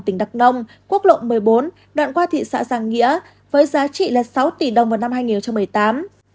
tỉnh đắk nông quốc lộ một mươi bốn đoạn qua thị xã giang nghĩa với giá trị là sáu tỷ đồng vào năm hai nghìn một mươi tám